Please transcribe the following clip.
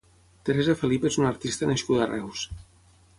Teresa Felip és una artista nascuda a Reus.